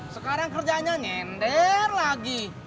sekarang kerjaannya nyender lagi